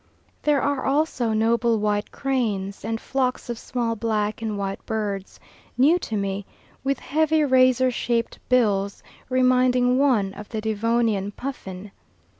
There are also noble white cranes, and flocks of small black and white birds, new to me, with heavy razor shaped bills, reminding one of the Devonian puffin.